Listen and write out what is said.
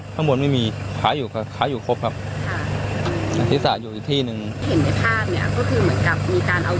ที่เห็นในภาพเนี่ยก็คือเหมือนกับมีการเอาเชือกเนี่ยผูล